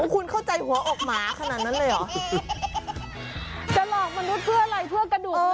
คุณเข้าใจหัวออกหมาขนาดนั้นเลยเหรอ